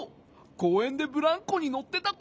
こうえんでブランコにのってたこ。